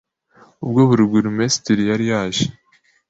Ubwo burugumesitiri yari yaje